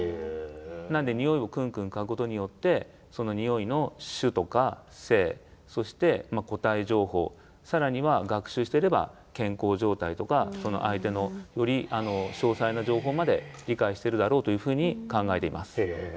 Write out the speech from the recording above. なのでニオイをクンクンかぐことによってそのニオイの種とか性そして個体情報更には学習してれば健康状態とかその相手のより詳細な情報まで理解してるだろうというふうに考えています。